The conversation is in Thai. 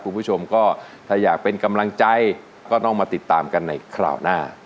คุณผู้ชมก็ถ้าอยากเป็นกำลังใจก็ต้องมาติดตามกันในคราวหน้า